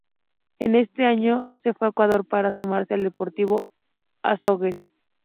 En ese año se fue a Ecuador para sumarse al Deportivo Azogues.